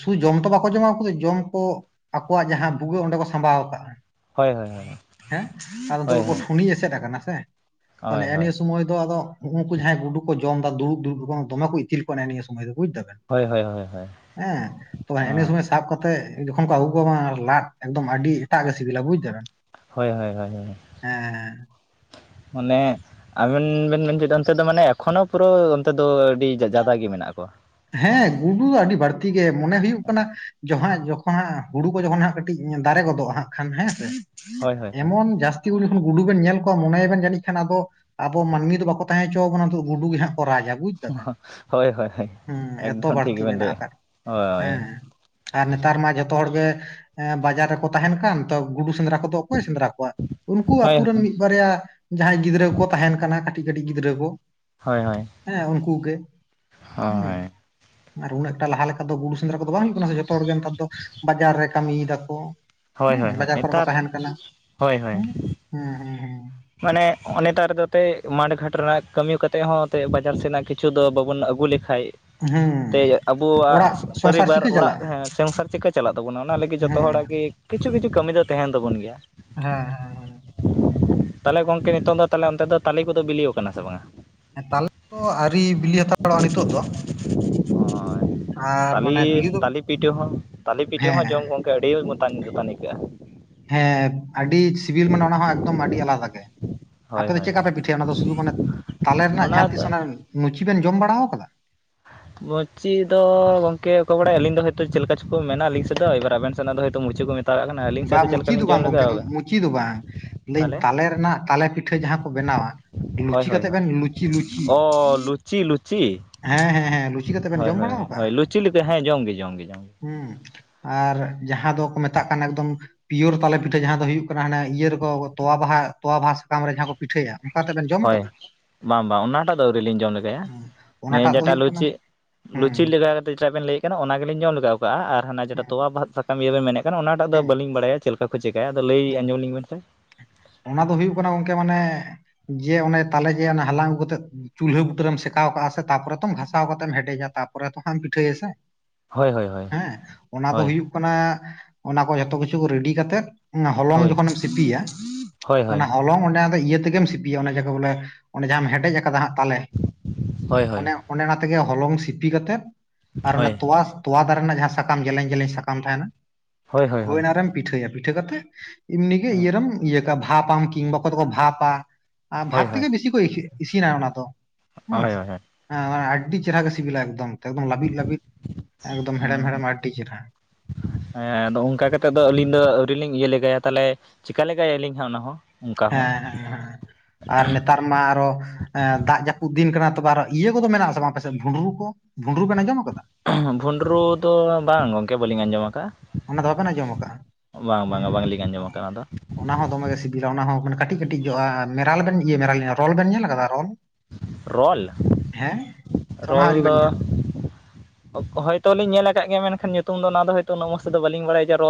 ᱥᱩ ᱡᱚᱢ ᱛᱚ ᱵᱟᱠᱚ ᱡᱚᱢᱟ ᱩᱱᱠᱩ ᱫᱚ ᱡᱚᱢ ᱠᱚ- ᱟᱠᱚᱣᱟᱜ ᱡᱟᱦᱟᱸ ᱵᱷᱩᱜᱟᱹᱜ ᱚᱸᱰᱮ ᱠᱚ ᱥᱟᱸᱵᱟᱣ ᱠᱟᱜᱼᱟ ᱦᱳᱭ ᱦᱳᱭ ᱦᱮᱸ ᱟᱨ ᱦᱳᱭ ᱦᱳᱭ ᱴᱷᱩᱱᱤ ᱮᱥᱮᱫ ᱠᱟᱱᱟ ᱥᱮ ᱛᱚ ᱦᱳᱭ ᱦᱳᱭ ᱱᱮ-ᱱᱤᱭᱟ. ᱥᱚᱢᱚᱭ ᱫᱚ ᱟᱫᱚ ᱦᱩᱱᱩᱠᱩ ᱡᱟᱦᱟᱸᱭ ᱜᱩᱰᱩ ᱠᱚ ᱡᱚᱢ ᱫᱩᱲᱩᱵᱩᱲᱵ ᱵᱟᱝ ᱫᱚᱢᱮ ᱠᱚ ᱤᱛᱤᱞ ᱠᱚ ᱠᱟᱱᱟ ᱱᱤᱭᱟᱹ ᱥᱚᱢᱚᱭ ᱫᱚ ᱵᱩᱡ ᱫᱟᱵᱮᱱ ᱦᱳᱭ ᱦᱳᱭ ᱦᱳᱭ ᱦᱳᱭ ᱦᱮᱸ ᱛᱚᱵ ᱮᱦᱮᱱᱮ ᱥᱚᱢᱚᱭ ᱥᱟᱵ ᱠᱟᱛᱮᱫ ᱡᱚᱠᱷᱚᱱ ᱠᱚ ᱟᱹᱜᱩ ᱠᱚᱣᱟ ᱵᱟᱝ ᱞᱟᱫ ᱮᱠᱫᱚᱢ ᱟᱹᱰᱤ ᱮᱴᱟᱜ ᱜᱮ ᱥᱤᱵᱤᱞᱟ ᱵᱩᱡ ᱫᱟᱵᱮᱱ ᱦᱳᱭ ᱦᱳᱭ ᱦᱳᱭ [inaudible] ᱢᱟᱱᱮ ᱟᱵᱮᱱ ᱵᱮᱱ ᱢᱮᱱ ᱦᱚᱪᱚᱭᱮᱫ ᱚᱱᱛᱮ ᱫᱚ ᱢᱟᱱᱮ ᱮᱠᱷᱚᱱᱳ ᱯᱩᱨᱟᱹ ᱚᱱᱛᱮ ᱫᱚ ᱟᱹᱰᱤ ᱡᱟᱫᱟ ᱜᱮ ᱢᱮᱱᱟᱜ ᱠᱚᱣᱟ ᱦᱮᱸ ᱜᱩᱰᱩ ᱫᱚ ᱟᱹᱰᱤ ᱵᱟᱹᱲᱛᱤ ᱜᱮ ᱢᱚᱱᱮ ᱦᱩᱭᱩᱜ ᱠᱟᱱᱟ ᱡᱚᱦᱟᱜᱼᱮ ᱡᱚᱠᱷᱚᱱ ᱦᱟᱸᱜ ᱦᱩᱲᱩ ᱠᱚ ᱡᱚᱠᱷᱚᱱ ᱦᱟᱸᱜ ᱠᱟᱹᱴᱤᱡ ᱫᱟᱨᱮ ᱜᱚᱫᱚᱜᱼᱟ ᱦᱟᱸᱜ ᱠᱷᱟᱱ ᱦᱮᱸ ᱥᱮ ᱦᱳᱭ ᱦᱳᱭ ᱦᱳᱭ ᱮᱢᱚᱱ ᱡᱟᱹᱥᱛᱤ ᱠᱩ ᱡᱚᱠᱷᱚᱱ ᱜᱩᱰᱩ ᱵᱮᱱ ᱧᱮᱞ ᱠᱚᱣᱟ ᱢᱚᱱᱮᱭᱭᱟ ᱵᱮᱱ ᱡᱟᱹᱱᱤᱡ ᱠᱷᱟᱱ ᱟᱫᱚ ᱟᱵᱚ ᱢᱟᱹᱱᱢᱤ ᱫᱚ ᱵᱟᱠᱚ ᱛᱟᱦᱮᱸ ᱦᱚᱪᱚ ᱵᱚᱱᱟ ᱫᱚ ᱜᱩᱰᱩ ᱜᱮ ᱦᱟᱸᱜ ᱠᱚ ᱨᱟᱡᱟ ᱵᱩᱡ ᱫᱟᱵᱮᱱ ᱦᱳᱭ ᱦᱳᱭ ᱦᱮᱸ ᱮᱛᱚ ᱮᱠᱫᱚᱢ ᱴᱷᱤᱠ ᱵᱟᱹᱲᱛᱤ ᱜᱮᱵᱮᱱ ᱢᱮᱱᱟᱜ ᱞᱟᱹᱭᱮᱫᱼᱟ ᱟᱠᱟᱫ ᱦᱳᱭ ᱦᱮᱸ ᱟᱨ ᱱᱮᱛᱟᱨ ᱢᱟ ᱡᱷᱚᱛᱚ ᱦᱚᱲᱜ ᱵᱟᱡᱟᱨ ᱨᱮᱠᱚ ᱛᱟᱦᱮᱱ ᱠᱟᱱ ᱛᱚ ᱜᱩᱰᱩ ᱥᱮᱸᱫᱽᱨᱟ ᱠᱚᱫᱚ ᱚᱠᱚᱭᱮ ᱥᱮᱸᱫᱽᱨᱟ ᱠᱚᱣᱟ ᱩᱱᱠᱩ ᱦᱳᱭ ᱟᱛᱩ ᱨᱮᱱ ᱢᱤᱫ ᱵᱟᱨᱭᱟ ᱡᱟᱦᱟᱸᱭ ᱜᱤᱫᱽᱨᱟᱹ ᱠᱚ ᱛᱟᱦᱮᱱ ᱠᱟᱱᱟ ᱠᱟᱹᱴᱤᱡ ᱠᱟᱹᱴᱤᱡ ᱜᱤᱫᱽᱨᱟᱹ ᱠᱚ ᱦᱳᱭ ᱦᱳᱭ ᱦᱮᱸ ᱩᱱᱠᱩ ᱜᱮ ᱦᱳᱭ ᱦᱩᱸ ᱟᱨ ᱩᱱᱟᱹᱜ ᱴᱟᱜ ᱞᱟᱦᱟ ᱞᱮᱠᱟ ᱫᱚ ᱵᱩᱨᱩ ᱥᱮᱸᱫᱽᱨᱟ ᱠᱚᱫᱚ ᱵᱟᱝ ᱦᱩᱭᱩᱜ ᱠᱟᱱᱟ ᱥᱮ ᱡᱚᱛᱚ ᱦᱚᱲ ᱱᱮᱛᱟᱨ ᱫᱚ ᱵᱟᱡᱟᱨ ᱨᱮ ᱠᱟᱹᱢᱤᱭ ᱫᱟᱠᱚ ᱦᱳᱭ ᱦᱳᱭ ᱦᱮᱸ ᱦᱳᱭ ᱵᱟᱡᱟᱨ ᱠᱚᱨᱮ ᱠᱚ ᱱᱮᱛᱟᱨ ᱛᱟᱦᱮᱱ ᱠᱟᱱᱟ ᱦᱳᱭ ᱦᱳᱭ ᱦᱮᱸ ᱦᱮᱸ ᱦᱮᱸ ᱦᱮᱸ ᱢᱟᱱᱮ ᱱᱮᱛᱟᱨᱫᱚ ᱮᱱᱛᱮᱫ ᱢᱟᱴᱷ ᱜᱷᱟᱴ ᱨᱮᱱᱟᱜ ᱠᱟᱹᱢᱤ ᱠᱚᱛᱮ ᱦᱚᱸ ᱮᱱᱛᱮᱫ ᱵᱟᱡᱟᱨ ᱥᱮᱫᱱᱟᱜ ᱠᱤᱪᱷᱩ ᱠᱤᱪᱷᱩ ᱫᱚ ᱵᱟᱵᱚᱱ ᱟᱹᱜᱩ ᱞᱮᱠᱷᱟᱱ ᱦᱩᱸ ᱦᱩᱸ ᱛᱮ ᱟᱵᱚᱣᱟᱜ ᱚᱲᱟᱜ ᱥᱚᱝᱥᱟᱨ ᱯᱚᱨᱤᱵᱟᱨ ᱪᱤᱠᱟᱹ ᱚᱲᱟᱜ ᱪᱟᱞᱟᱜᱼᱟ ᱥᱚᱝᱥᱟᱨ ᱪᱮᱫᱠᱟ ᱪᱟᱞᱟᱜ ᱛᱟᱵᱚᱱᱟ ᱚᱱᱟ ᱞᱟᱹᱜᱤᱫ ᱦᱩᱸ ᱡᱚᱛᱚ ᱦᱮᱸ ᱦᱚᱲᱟᱜ ᱜᱮ ᱠᱤᱪᱷᱩ ᱠᱤᱪᱷᱩ ᱠᱟᱹᱢᱤ ᱫᱚ ᱛᱟᱦᱮᱱ ᱛᱟᱵᱚᱱ ᱜᱮᱭᱟ ᱦᱮᱸ ᱛᱟᱦᱚᱞᱮ ᱜᱚᱝᱠᱮ ᱱᱤᱛᱚᱝ ᱫᱚ ᱚᱱᱛᱮ ᱫᱚ ᱛᱟᱞᱮ ᱠᱚᱫᱚ ᱵᱮᱞᱮ ᱟᱠᱟᱱᱟ ᱥᱮ ᱵᱟᱝᱟ ᱛᱟᱞᱮ ᱟᱹᱣᱨᱤ ᱵᱤᱞᱤ ᱦᱟᱛᱟᱣᱚᱜᱼᱟ ᱱᱤᱛᱚᱜ ᱫᱚ ᱦᱳᱭ ᱟᱨ ᱛᱟᱞᱮ ᱢᱟᱱᱮ ᱵᱤᱞᱤ ᱫᱚ ᱛᱟᱞᱮ ᱯᱤᱴᱷᱟᱹ ᱦᱚᱸ ᱛᱟᱞᱮ ᱯᱤᱴᱷᱟᱹ ᱦᱚᱸ ᱦᱮᱸ ᱡᱚᱢ ᱜᱚᱢᱠᱮ ᱟᱹᱰᱤ ᱢᱛᱟᱱ ᱡᱚᱛᱟᱱ ᱟᱹᱭᱠᱟᱹᱜᱼᱟ ᱦᱮᱸ ᱟᱹᱰᱤ ᱥᱤᱵᱤᱞ ᱢᱟᱱᱮ ᱚᱱᱟ ᱦᱚᱸ ᱮᱠᱫᱚᱢ ᱟᱹᱰᱤ ᱟᱞᱟᱫᱟ ᱜᱮ ᱦᱳᱭ ᱟᱯᱮ ᱫᱚ ᱦᱳᱭ ᱪᱮᱫᱠᱟ ᱯᱮ ᱦᱳᱭ ᱯᱤᱴᱷᱟᱹᱭᱟ ᱚᱱᱟ ᱫᱚ ᱥᱩᱫᱷᱩ ᱢᱟᱱᱮ ᱛᱟᱞᱮ ᱨᱮᱱᱟᱜ ᱡᱟᱦᱟᱸ ᱛᱤᱥ ᱚᱱᱟ ᱞᱩᱪᱤ ᱵᱮᱱ ᱡᱚᱢ ᱵᱟᱲᱟ ᱟᱠᱟᱫᱟ ᱢᱩᱪᱤ ᱫᱚ ᱜᱚᱝᱠᱮ ᱚᱠᱚᱭ ᱵᱟᱲᱟᱭᱟ ᱟᱹᱞᱤᱧ ᱫᱚ ᱦᱚᱭᱛᱚ ᱢᱩᱪᱤ ᱫᱚ ᱜᱚᱝᱠᱮ ᱚᱠᱚᱭᱮ ᱵᱟᱰᱟᱭ ᱟᱞᱤᱧ ᱫᱚ ᱦᱚᱭ ᱛᱚ ᱪᱮᱫ ᱞᱮᱠᱟ ᱪᱚᱠᱚ ᱢᱮᱱᱟ ᱟᱹᱞᱤᱧ ᱥᱮᱫ ᱫᱚ ᱮᱭᱵᱟᱨ ᱟᱵᱮᱱ ᱥᱮᱱᱟᱜ ᱫᱚ ᱦᱚᱭᱛᱚ ᱢᱩᱪᱤ ᱠᱚ ᱢᱮᱛᱟᱣᱟᱜ ᱠᱟᱱᱟ ᱟᱹᱞᱤᱧ ᱥᱮᱫ ᱵᱟ ᱪᱮᱫ ᱞᱮᱠᱟ ᱢᱩᱪᱤ ᱫᱚ ᱞᱤᱧ ᱵᱟᱝ ᱡᱚᱢ ᱜᱚᱢᱠᱮ ᱞᱮᱜᱟᱣ ᱢᱩᱪᱤ ᱫᱚ ᱵᱟᱝ ᱞᱟᱹᱭᱟᱹᱧ ᱛᱟᱦᱚᱞᱮ ᱛᱟᱞᱮ ᱨᱮᱱᱟᱜ ᱛᱟᱞᱮ ᱯᱤᱴᱷᱟᱹ ᱡᱟᱦᱟᱸ ᱠᱚ ᱵᱮᱱᱟᱣᱟ ᱦᱳᱭ ᱞᱩᱪᱤ ᱦᱳᱭ ᱠᱟᱛᱮ ᱦᱳᱭ ᱵᱮᱱ ᱞᱩᱪᱤ ᱞᱩᱪᱤ ᱚ ᱞᱩᱪᱤ ᱞᱩᱪᱤ ᱦᱮᱸ ᱦᱮᱸ ᱦᱮᱸ᱾ ᱞᱩᱪᱤ ᱠᱟᱛᱮᱜ ᱵᱮᱱ ᱦᱳᱭ ᱡᱚᱢ ᱦᱳᱭ ᱵᱟᱲᱟᱣ ᱟᱠᱟᱜᱼᱟ ᱦᱳᱭ ᱞᱩᱪᱤ ᱞᱮᱠᱟ ᱦᱮᱸ ᱡᱚᱢᱜ ᱜᱮ ᱡᱚᱢᱜᱮ ᱡᱚᱢᱜᱮ ᱦᱩᱸ ᱟᱨ ᱡᱟᱦᱟᱸ ᱫᱚᱠᱚ- ᱢᱮᱛᱟᱜ ᱮᱠᱫᱚᱢ ᱯᱤᱭᱳᱨ ᱛᱟᱞᱮ ᱯᱤᱴᱷᱟᱹ ᱡᱟᱦᱟᱸ ᱫᱚ ᱦᱩᱭᱩᱜ ᱠᱟᱱᱟ ᱤᱭᱟᱹ ᱨᱮᱠᱚ ᱛᱳᱣᱟ ᱵᱟᱦᱟ ᱛᱚᱣᱟ ᱵᱟᱦᱟ ᱥᱟᱠᱟᱢ ᱨᱮ ᱡᱟᱦᱟᱸ ᱠᱚ ᱯᱤᱴᱷᱟᱹᱭᱟ ᱚᱱᱠᱟ ᱠᱟᱛᱮ ᱵᱮᱱ ᱡᱚᱢ ᱦᱳᱭ ᱟᱠᱟᱫᱟ ᱵᱟᱝ ᱵᱟᱝ ᱚᱱᱟᱴᱟᱜ ᱫᱚ ᱟᱹᱣᱨᱤ ᱞᱤᱧ ᱡᱚᱢ ᱞᱮᱜᱟᱭᱟ ᱦᱮᱸ ᱚᱱᱟᱴᱟᱜ ᱱᱤᱭᱟᱹ ᱫᱚ ᱡᱮᱴᱟ ᱦᱩᱭᱩᱜ ᱠᱟᱱᱟ ᱞᱩᱪᱤ ᱦᱩᱸ ᱞᱩᱪᱤ ᱞᱮᱠᱟ ᱠᱟᱛᱮᱫ ᱡᱟ ᱵᱮᱱ ᱞᱟᱹᱭᱮᱫ ᱠᱟᱱᱟ ᱚᱱᱟ ᱜᱮᱞᱤᱧ ᱡᱚᱢ ᱞᱮᱜᱟᱣ ᱠᱟᱜᱼᱟ ᱦᱟᱱᱟᱱᱟ ᱦᱩᱸ ᱡᱮᱴᱟ ᱛᱚᱣᱟ ᱵᱟᱦ ᱥᱟ ᱤᱭᱟᱹ ᱵᱮᱱ ᱢᱮᱱᱮᱫ ᱠᱟᱱᱟ ᱚᱱᱟᱴᱟᱜ ᱫᱚ ᱦᱩᱸ ᱵᱟᱹᱞᱤᱧ ᱵᱟᱲᱟᱭᱟ ᱪᱮᱫ ᱞᱮᱠᱟ ᱠᱚ ᱪᱤᱠᱟᱹᱭᱟ ᱟᱫᱚ ᱞᱟᱹᱭ ᱟᱸᱡᱚᱢ ᱞᱤᱧ ᱵᱮᱱᱥᱮ᱾ ᱚᱱᱟ ᱫᱚ ᱦᱩᱭᱩᱜ ᱠᱟᱱᱟ ᱜᱚᱝᱠᱮ ᱢᱟᱱᱮ ᱡᱮ ᱚᱱᱮ ᱛᱟᱞᱮ ᱜᱮ‌ ᱚᱱᱟ ᱦᱟᱞᱟᱝ ᱟᱹᱜᱩ ᱠᱟᱛᱮᱫ ᱪᱩᱞᱦᱟᱹ ᱵᱩᱴᱟᱹᱨᱮᱢ ᱥᱮᱠᱟᱣ ᱠᱟᱜᱼᱟ ᱥᱮ ᱛᱟᱯᱚᱨᱮᱛᱚᱢ ᱜᱷᱟᱥᱟᱣ ᱠᱟᱛᱮᱢ ᱦᱮᱰᱮᱡᱟ ᱛᱟᱯᱚᱨᱮᱛᱚ ᱮᱢ ᱯᱤᱴᱷᱟᱹᱭᱟ ᱥᱮ᱾ ᱦᱳᱭ ᱦᱳᱭ ᱦᱳᱭ ᱦᱮᱸ ᱚᱱᱟ ᱫᱚ ᱦᱳᱭ ᱦᱩᱭᱩᱜ ᱚᱱᱟ ᱚᱱᱟ ᱠᱚ ᱡᱚᱛᱚ ᱠᱤᱪᱷᱩ ᱨᱮᱰᱤ ᱠᱟᱛᱮᱜ ᱚᱱᱟ ᱦᱚᱞᱚᱝ ᱦᱳᱭ ᱡᱚᱠᱷᱚᱱᱮᱢ ᱥᱤᱯᱤᱭᱟ ᱦᱳᱭ ᱦᱳᱭ ᱚᱱᱟ ᱦᱚᱞᱚᱝ ᱚᱸᱰᱮ ᱟᱫᱚ ᱤᱭᱟᱹ ᱛᱮᱜᱮᱢ ᱥᱤᱯᱤᱭᱟ ᱚᱱᱟ ᱡᱮᱠᱚ ᱵᱚᱞᱮ ᱚᱱᱮ ᱡᱟᱦᱟᱸᱟᱢ ᱦᱮᱰᱮᱡ ᱟᱠᱟᱫᱟ ᱦᱟᱸᱜ ᱛᱟᱞᱮ᱾ ᱦᱳᱭ ᱦᱳᱭ ᱚᱱᱮ ᱚᱱᱮ ᱚᱱᱟ ᱛᱮᱜᱮ ᱦᱚᱞᱚᱝ ᱥᱤᱯᱤ ᱠᱟᱛᱮᱜ ᱟᱨ ᱚᱱᱟ ᱦᱳᱭ ᱛᱚᱣᱟ ᱛᱚᱣᱟ ᱫᱟᱨᱮ ᱨᱮᱱᱟᱜ ᱡᱟᱦᱟᱸ ᱥᱟᱠᱟᱢ ᱡᱮᱞᱮᱧ ᱡᱮᱞᱮᱧ ᱥᱟᱠᱟᱢ ᱛᱟᱦᱮᱱᱟ ᱦᱳᱭ ᱚᱱᱟ ᱨᱮᱢ ᱯᱤᱴᱷᱟᱹᱭᱟ ᱯᱤᱴᱷᱟᱹ ᱠᱟᱛᱮᱫ ᱮᱢᱱᱤ ᱜᱮ ᱦᱳᱭ ᱤᱭᱟᱹᱨᱮᱢ ᱤᱭᱟᱹ ᱠᱟᱜᱼᱟ ᱵᱷᱟᱯ ᱟᱢ ᱠᱤᱢᱵᱟ ᱚᱠᱚᱭ ᱫᱚᱠᱚ ᱵᱷᱟᱯᱼᱟ ᱟᱨ ᱵᱷᱟᱯ ᱦᱳᱭ ᱛᱮᱜᱮ ᱵᱤᱥᱤ ᱼᱼ [inaudible] ᱠᱚᱭ ᱤᱥᱤᱱᱟ ᱚᱱᱟ ᱫᱚ ᱦᱮᱸ ᱦᱳᱭ ᱥᱮ᱾ ᱦᱳᱭ ᱦᱮᱸ ᱟᱹᱰᱤ ᱪᱮᱨᱦᱨᱟ ᱜᱮ ᱥᱤᱵᱤᱞᱟ ᱮᱠᱫᱚᱢ ᱮᱠᱫᱚᱢ ᱞᱟᱹᱵᱤᱫ ᱞᱟᱹᱵᱤᱫ ᱮᱠᱫᱚᱢ ᱦᱮᱲᱮᱢ ᱦᱮᱲᱮᱢ ᱟᱹᱰᱤ ᱪᱮᱨᱦᱨᱟ। ᱦᱮᱸ ᱟᱫᱚ ᱚᱱᱠᱟ ᱠᱟᱛᱮᱫ ᱫᱚ ᱟᱹᱞᱤᱧ ᱫᱚ ᱟᱹᱣᱨᱤ ᱞᱤᱧ ᱤᱭᱟᱹ ᱞᱮᱜᱟᱭᱟ ᱛᱟᱦᱞᱮ ᱼᱼ ᱪᱮᱠᱟ ᱞᱮᱜᱟᱭᱟᱹᱞᱤᱧ ᱦᱟᱸᱜ ᱚᱱᱟ ᱦᱚᱸ। ᱚᱱᱠᱟ ᱦᱚᱸ ᱦᱮᱸ ᱦᱮᱸᱸ ᱟᱨ ᱱᱮᱛᱟᱨ ᱢᱟ ᱟᱨᱚ ᱮᱸ ᱫᱟᱜ ᱡᱟᱹᱯᱩᱫ ᱫᱤᱱ ᱠᱟᱱᱟ ᱛᱚᱵᱮ ᱟᱨᱚ ᱤᱭᱟᱹ ᱠᱚᱫᱚ ᱢᱮᱱᱟᱜ ᱟᱥᱮ ᱵᱟᱝ ᱟᱯᱮᱥᱮᱫ ᱵᱷᱩᱸᱰᱨᱩ ᱠᱚ ᱵᱷᱩᱸᱰᱨᱩ ᱵᱮᱱ ᱟᱸᱡᱚᱢ ᱟᱠᱟᱫᱟ? ᱵᱷᱩᱸᱰᱨᱩ ᱫᱚ ᱵᱟᱝ ᱜᱚᱝᱠᱮ ᱵᱟᱹᱞᱤᱧ ᱟᱸᱡᱚᱢᱟ ᱟᱠᱟᱫᱼᱟ। ᱚᱱᱟ ᱫᱚ ᱵᱟᱵᱮᱱ ᱟᱸᱡᱚᱢᱟ ᱠᱟᱜᱼᱟ ᱦᱮᱸ ᱵᱟᱝᱟ ᱵᱟᱝᱞᱤᱧ ᱟᱸᱡᱚᱢ ᱦᱮᱸ ᱟᱠᱟᱫᱟ ᱚᱱᱟ ᱫᱚ ᱚᱱᱟ ᱦᱚᱸ ᱫᱚᱢᱮ ᱜᱮ ᱥᱤᱵᱤᱞᱟ ᱚᱱᱟ ᱦᱚᱸ ᱢᱟᱱᱮ ᱠᱟᱹᱴᱤᱡ ᱠᱟᱹᱴᱤᱡ ᱡᱚᱜᱼᱟ ᱟᱨ ᱢᱮᱨᱟᱞ ᱵᱮᱱ ᱤᱭᱟᱹ ᱢᱮᱨᱟᱞ ᱨᱚᱞ ᱵᱮᱱ ᱧᱮᱞ ᱟᱠᱟᱫᱟ ᱨᱚᱞ? ᱨᱚᱞ ᱦᱮᱸ ᱥᱮ ᱚᱱᱟ ᱦᱚᱸ ᱨᱚᱞ ᱟᱹᱣᱨᱤ ᱵᱮᱱ ᱫᱚ ᱧᱮᱞᱟ ᱦᱳᱭᱛᱚ ᱞᱮᱧ ᱧᱮᱞ ᱟᱠᱟᱫ ᱜᱮᱭᱟ ᱢᱮᱱᱠᱷᱟᱱ ᱧᱩᱛᱩᱢ ᱫᱚ ᱱᱚᱣᱟ ᱫᱚ ᱩᱱᱟᱹᱜ ᱢᱚᱡ ᱛᱮᱫᱚ ᱵᱟᱹᱞᱤᱧ ᱵᱟᱲᱟᱭᱟ ᱨᱚ